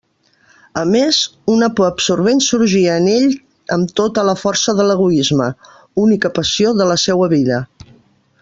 A més, una por absorbent sorgia en ell amb tota la força de l'egoisme, única passió de la seua vida.